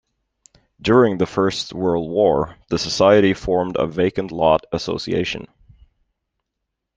During the First World War the Society formed a Vacant Lot Association.